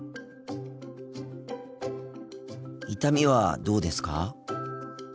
痛みはどうですか？